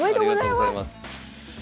ありがとうございます。